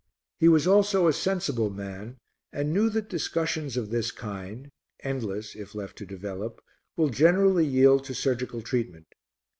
He was also a sensible man and knew that discussions of this kind, endless if left to develop, will generally yield to surgical treatment.